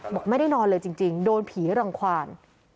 บอกไม่ได้นอนเลยจริงโดนผีรังความ